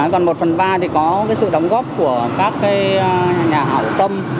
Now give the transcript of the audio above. còn một phần ba thì có cái sự đóng góp của các nhà ảo tâm